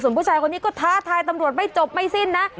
ผู้ชายคนนี้ก็ท้าทายตำรวจไม่จบไม่สิ้นนะ